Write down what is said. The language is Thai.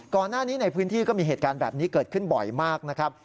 ก่อนหน้านี้ในพื้นที่ก็มีเหตุการณ์แบบนี้เกิดขึ้นบ่อยมากนะครับ